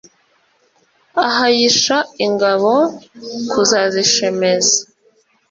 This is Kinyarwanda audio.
ahayisha ingabo kuzazishemeza.